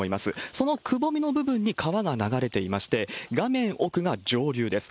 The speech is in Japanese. そのくぼみの部分に川が流れていまして、画面奥が上流です。